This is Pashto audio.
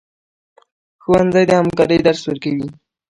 ښوونځی د همکارۍ درس ورکوي